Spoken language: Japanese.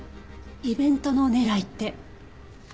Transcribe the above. イベントの狙いって？